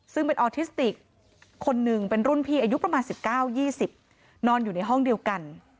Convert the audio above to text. ซึ่งเป็นออทิสติกคนหนึ่งเป็นรุ่นพี่อายุประมาณ๑๙๒๐นอนอยู่ในห้องเดียวกัน